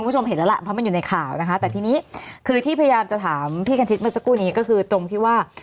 จำพี่กัณธิกเมื่อสักครู่นี้ก็คือตรงที่ว่า